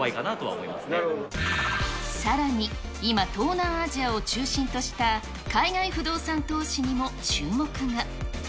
さらに、今、東南アジアを中心とした、海外不動産投資にも注目が。